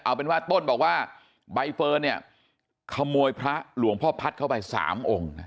เอาเป็นว่าต้นบอกว่าใบเฟิร์นเนี่ยขโมยพระหลวงพ่อพัฒน์เข้าไป๓องค์นะ